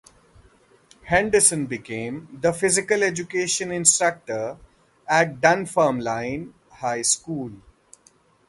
Henderson became the Physical Education instructor at Dunfermline High School.